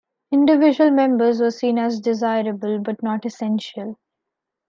Individual members were seen as 'desirable', but not essential.